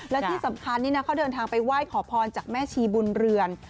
และที่สำคัญนี่นะเขาเดินทางไปไหว้ขอพรจากแม่ชีบุญเรือน